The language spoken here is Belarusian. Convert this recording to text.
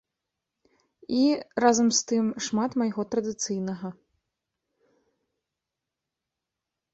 І, разам з тым, шмат майго традыцыйнага.